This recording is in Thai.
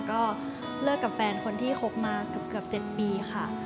ก็เลิกกับแฟนคนที่คบมาเกือบ๗ปีค่ะ